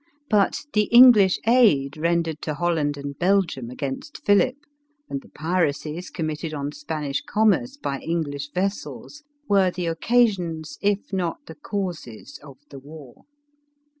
But the English aid rendered to Holland and Belgium against Philip, and the piracies committed on Spanish com merce by English vessels, were the occasions, if not the causes, of the war.